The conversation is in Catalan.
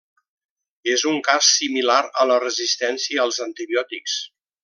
És un cas similar a la resistència als antibiòtics.